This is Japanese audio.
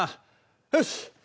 よし！